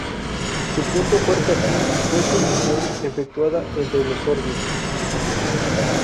Su punto fuerte aquí fue su misión efectuada entre los sorbios.